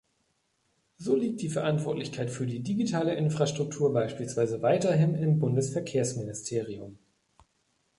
So liegt die Verantwortlichkeit für die digitale Infrastruktur beispielsweise weiterhin im Bundesverkehrsministerium.